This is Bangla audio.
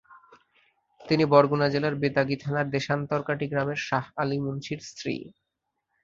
তিনি বরগুনা জেলার বেতাগী থানার দেশান্তরকাটি গ্রামের শাহ আলী মুন্সির স্ত্রী।